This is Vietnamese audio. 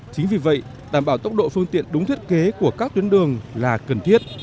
chính vì vậy đảm bảo tốc độ phương tiện đúng thiết kế của các tuyến đường là cần thiết